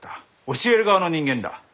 教える側の人間だ。